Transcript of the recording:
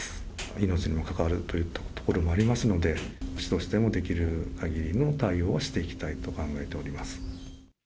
命にも関わるというところもありますので、市としてもできるかぎりの対応をしていきたいと考えております。